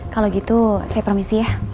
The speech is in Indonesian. kalau gitu saya permisi ya